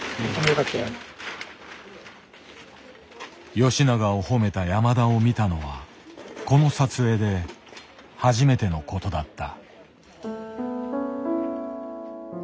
吉永を褒めた山田を見たのはこの撮影で初めてのことだった。